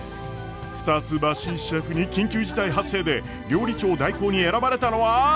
二ツ橋シェフに緊急事態発生で料理長代行に選ばれたのは！？